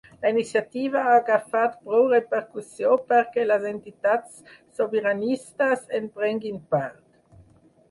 La iniciativa ha agafat prou repercussió perquè les entitats sobiranistes en prenguin part.